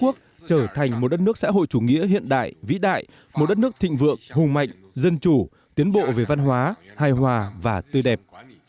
trước khi phát triển thành một đất nước xã hội chủ nghĩa hiện đại vĩ đại một đất nước thịnh vượng hùng mạnh dân chủ tiến bộ về văn hóa hài hòa và tư đẹp